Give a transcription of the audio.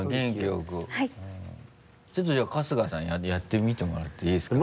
ちょっとじゃあ春日さんやってみてもらっていいですか？